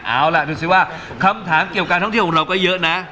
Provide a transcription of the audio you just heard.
เอาล่ะดูสิว่าคำถามเกี่ยวการท่องเที่ยวของเราก็เยอะนะ